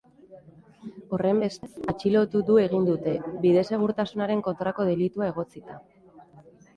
Horrenbestez, atxilotu du egin dute, bide segurtasunaren kontrako delitua egotzita.